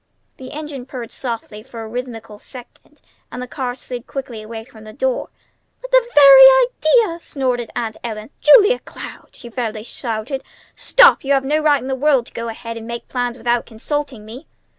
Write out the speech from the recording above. The engine purred softly for a rhythmical second, and the car slid quickly away from the door. "But the very idea!" snorted Aunt Ellen. "Julia Cloud!" she fairly shouted. "Stop! You had no right in the world to go ahead and make plans without consulting me!"